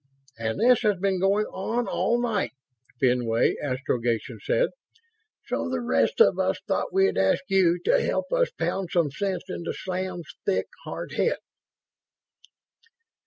"And this has been going on all night," Fenway (Astrogation) said. "So the rest of us thought we'd ask you in to help us pound some sense into Sam's thick, hard head."